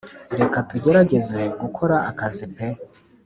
Reka tugerageze gukora akazi peu